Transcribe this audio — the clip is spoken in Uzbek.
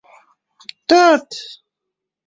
Xullas, koʻngil yayraydigan manzara.